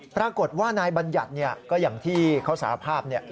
ปรากฏว่านายบัญญัติก็อย่างที่เขาสารภาพ